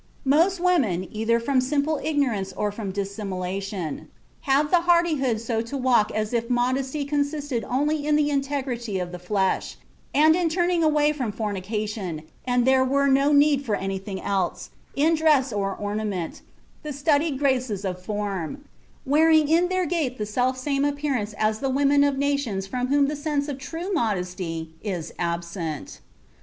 Most women, either from simple ignorance or from dissimulation, have the hardihood so to walk as if modesty consisted only in the integrity of the flesh, and in turning away from fornication, and there were no need for anything else, in dress and ornament, the studied graces of form, wearing in their gait the self same appearance as the women of the nations from whom the sense of true modesty is absent."